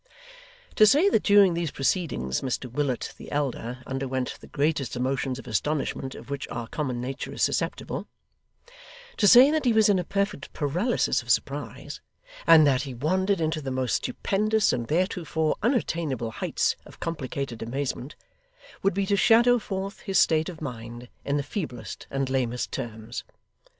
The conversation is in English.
To say that during these proceedings Mr Willet the elder underwent the greatest emotions of astonishment of which our common nature is susceptible to say that he was in a perfect paralysis of surprise, and that he wandered into the most stupendous and theretofore unattainable heights of complicated amazement would be to shadow forth his state of mind in the feeblest and lamest terms.